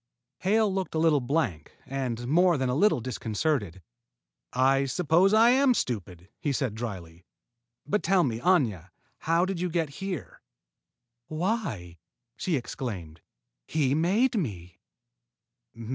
Hale looked a little blank and more than a little disconcerted. "I suppose I am stupid," he said dryly. "But tell me, Aña, how did you get here?" "Why," she exclaimed, "he made me!"